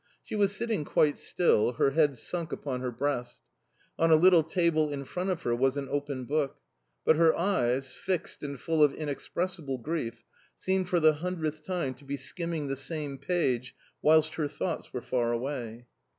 She was sitting quite still, her head sunk upon her breast; on a little table in front of her was an open book; but her eyes, fixed and full of inexpressible grief, seemed for the hundredth time to be skimming the same page whilst her thoughts were far away.